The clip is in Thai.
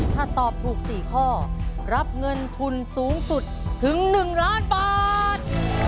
ถ้าตอบถูก๔ข้อรับเงินทุนสูงสุดถึง๑ล้านบาท